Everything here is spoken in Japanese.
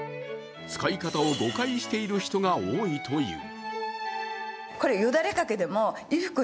使い方を誤解している人が多いという。